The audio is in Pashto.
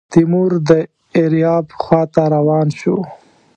تیمور د ایریاب خواته روان شو.